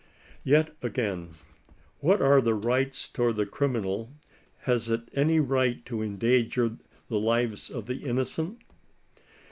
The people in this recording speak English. Yet again. Whatever are its rights toward the criminal^ has it any right to endanger the lives of the innocent